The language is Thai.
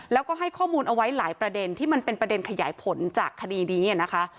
แล้วก็ให้ข้อมูลเอาไว้หลายประเด็นที่มันเป็นประเด็นขยายผลจากคดีนี้นะคะ